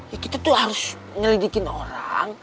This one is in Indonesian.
ya kita tuh harus ngelidikin orang